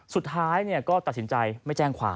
สุดท้ายก็ตัดสินใจไม่แจ้งความ